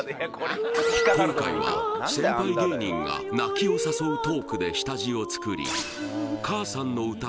今回は先輩芸人が泣きを誘うトークで下地を作り「かあさんの歌」